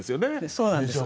そうなんですよ。